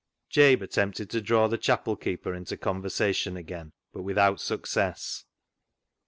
Jabe attempted to draw the chapel keeper into conversation again, but without success.